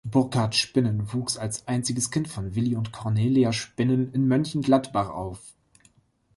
Burkhard Spinnen wuchs als einziges Kind von Willy und Cornelia Spinnen in Mönchengladbach auf.